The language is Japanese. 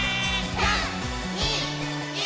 ３、２、１。